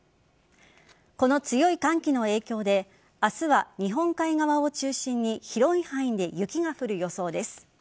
この強い寒気の影響で明日は日本海側を中心に広い範囲で雪が降る予想です。